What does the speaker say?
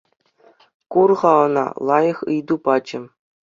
Кур-ха ӑна, лайӑх ыйту пачӗ.